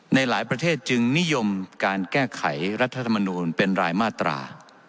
หลายประเทศจึงนิยมการแก้ไขรัฐธรรมนูลเป็นรายมาตรา